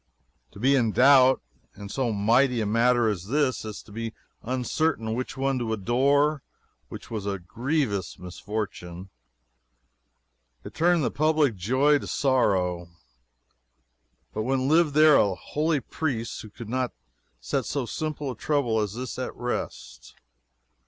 To be in doubt, in so mighty a matter as this to be uncertain which one to adore was a grievous misfortune. It turned the public joy to sorrow. But when lived there a holy priest who could not set so simple a trouble as this at rest?